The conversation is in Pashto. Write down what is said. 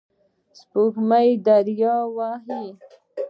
سپوږمۍ دریه وهي